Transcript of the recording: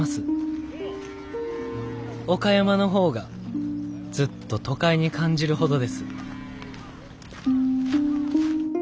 岡山の方がずっと都会に感じるほどです」。